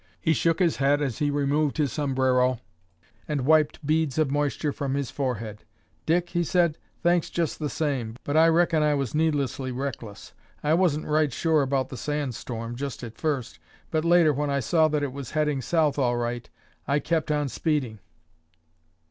He shook his head as he removed his sombrero and wiped beads of moisture from his forehead. "Dick," he said, "thanks just the same, but I reckon I was needlessly reckless. I wasn't right sure about the sand storm, just at first, but later when I saw that it was heading south all right, I kept on speeding."